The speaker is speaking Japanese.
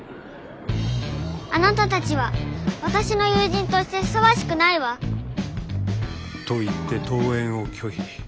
あなたたちは私の友人としてふさわしくないわ。と言って登園を拒否。